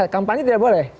kampanye tidak boleh